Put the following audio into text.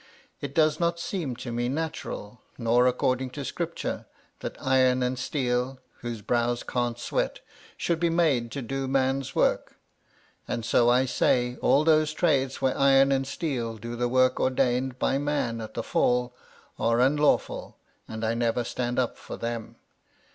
It does not seem to me natural, nor according to Scripture, that iron and steel (whose brows can't sweat) should be made to do man's work. And so I say, all those trades where iron and steel do the work ordained to man at the Fall, are unlawful, and I never stand up for them.